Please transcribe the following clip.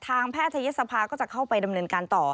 แพทยศภาก็จะเข้าไปดำเนินการต่อ